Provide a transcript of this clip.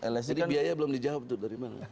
jadi biaya belum dijawab tuh dari mana